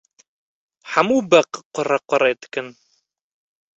Hemû beq qurequrê dikin.